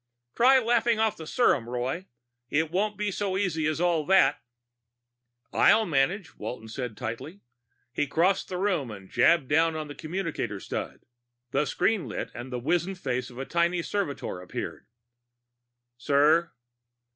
"Try laughing off the serum, Roy. It won't be so easy as all that." "I'll manage," Walton said tightly. He crossed the room and jabbed down on the communicator stud. The screen lit; the wizened face of the tiny servitor appeared. "Sir?"